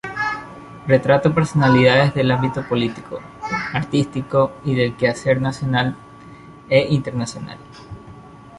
Retrató personalidades del ámbito político, artístico y del quehacer nacional e internacional.